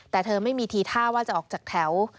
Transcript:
แต่เธอไม่มีทีท่าว่าจะออกจากแถว